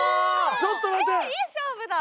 ちょっと待て！